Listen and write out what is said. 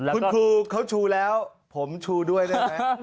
คุณครูเขาชูแล้วผมชูด้วยได้ไหม